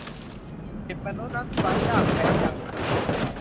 จิตมนุษย์นั้นไซร้ ยากแท้ หยั่งถึง